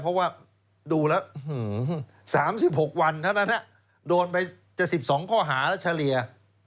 เพราะว่าดูแล้ว๓๖วันเท่านั้นโดนไป๗๒ข้อหาแล้วเฉลี่ย